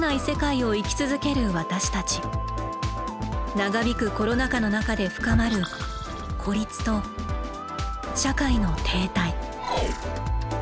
長引くコロナ禍の中で深まる「孤立」と社会の「停滞」。